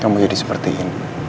kamu jadi seperti